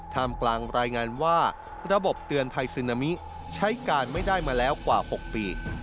ทำกลางรายงานว่าระบบเตือนภัยซึนามิใช้การไม่ได้มาแล้วกว่า๖ปี